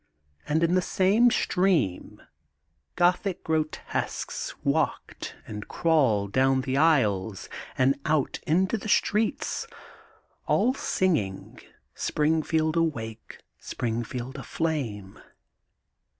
And in the same stream Gothic grotesques walked and crawled down the aisles and out into the streets, all singing: * Springfield Awake, Springfield Aflame.